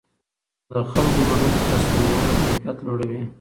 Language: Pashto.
د خلکو ګډون د تصمیم نیولو کیفیت لوړوي